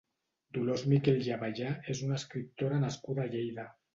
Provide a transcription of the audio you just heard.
Dolors Miquel i Abellà és una escriptora nascuda a Lleida.